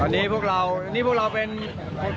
นี่เขาก็เป็นการเก็บหุ่น